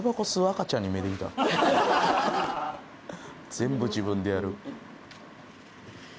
全部自分でやる。